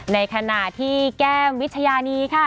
ในขณะที่แก้มวิชญานีค่ะ